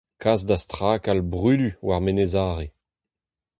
Kas da strakal brulu war Menez-Are.